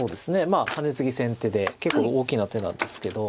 まあハネツギ先手で結構大きな手なんですけど。